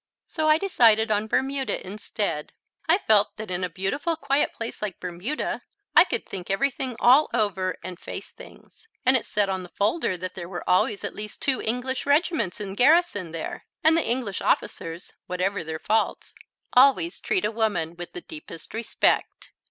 So I decided on Bermuda instead. I felt that in a beautiful, quiet place like Bermuda I could think everything all over and face things, and it said on the folder that there were always at least two English regiments in garrison there, and the English officers, whatever their faults, always treat a woman with the deepest respect.